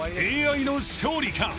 ＡＩの勝利か？］